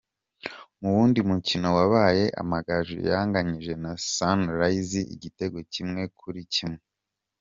Mu wundi mukino wabaye, Amagaju yanganyije na Sunrise igitego kimwe kuri kimwe.